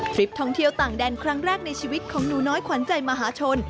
คลิปท่องเที่ยวต่างแดนครั้งแรกในชีวิตของหนูน้อยขวัญใจมหาชน